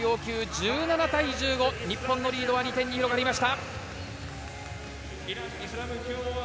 １７対１５、日本のリードは２点に広がりました。